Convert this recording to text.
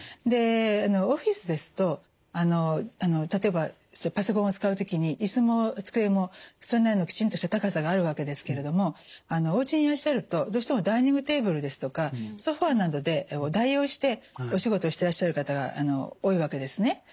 でオフィスですと例えばパソコンを使う時に椅子も机もそれなりのきちんとした高さがあるわけですけれどもおうちにいらしゃるとどうしてもダイニングテーブルですとかソファーなどで代用してお仕事してらっしゃる方が多いわけですね。